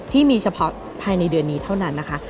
ที่มีเฉพาะภายในเดือนนี้เท่านั้นนะคะ